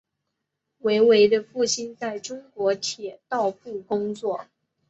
韦唯的父亲在中国铁道部工作。